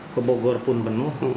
ke bogor pun penuh